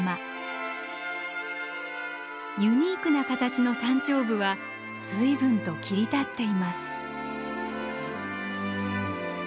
ユニークな形の山頂部は随分と切り立っています。